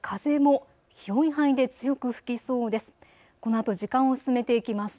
そして風も広い範囲で強く吹きそうです。